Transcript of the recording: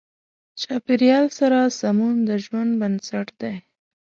چاپېریال سره سمون د ژوند بنسټ دی.